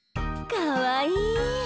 かわいい！